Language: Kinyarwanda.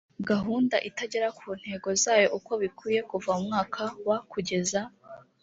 gahunda itagera ku ntego zayo uko bikwiye kuva mu mwaka wa kugeza